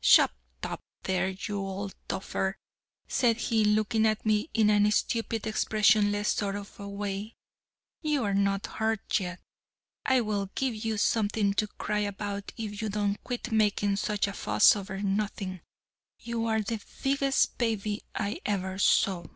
"Shut up there, you old duffer," said he, looking at me in a stupid, expressionless sort of a way, "you are not hurt yet. I'll give you something to cry about if you don't quit making such a fuss over nothing. You're the biggest baby I ever saw."